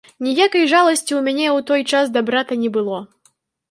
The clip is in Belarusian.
Ніякай жаласці ў мяне ў той час да брата не было.